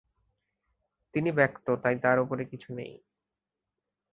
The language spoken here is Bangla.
তিনি ব্যক্ত, তাই তার উপরে কিছু নেই।